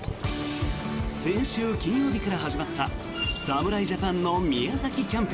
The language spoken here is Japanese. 先週金曜日から始まった侍ジャパンの宮崎キャンプ。